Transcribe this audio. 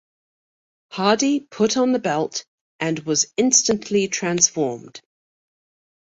Hardy put on the belt and was instantly transformed.